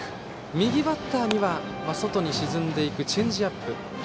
右バッターには外に沈んでいくチェンジアップ。